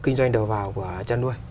kinh doanh đầu vào của chăn nuôi